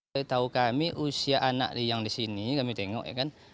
setahu kami usia anak yang di sini kami tengok ya kan